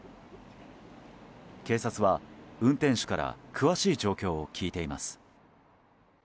警察は運転手から詳しい状況を聞いています。